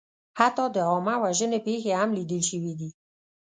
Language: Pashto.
حتی د عامهوژنې پېښې هم لیدل شوې دي.